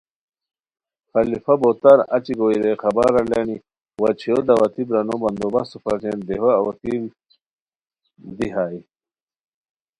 خلیفہ بوتار اچی گوئے رے خبرالانی وا چھویو دعوتی برانو بندوبستو بچین دیہو اُوکیل دی ہائے